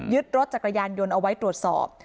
รถจักรยานยนต์เอาไว้ตรวจสอบ